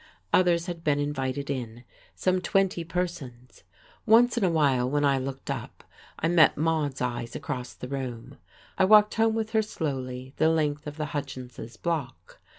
Others had been invited in, some twenty persons.... Once in a while, when I looked up, I met Maude's eyes across the room. I walked home with her, slowly, the length of the Hutchinses' block.